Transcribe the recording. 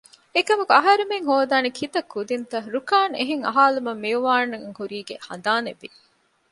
އެކަމަކު އަހަރެމެން ހޯދާނީ ކިތައް ކުދިންތަ؟ ރުކާން އެހެން އަހާލުމުން މިއުވާންއަށް ކުރީގެ ހަނދާނެއްވި